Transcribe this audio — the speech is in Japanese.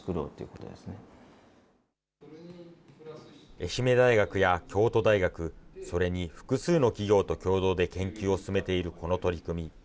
愛媛大学や京都大学、それに複数の企業と共同で研究を進めているこの取り組み。